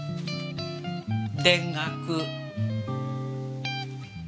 田楽。